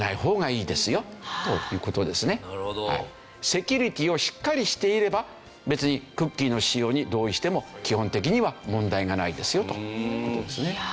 セキュリティーをしっかりしていれば別にクッキーの使用に同意しても基本的には問題がないですよという事ですね。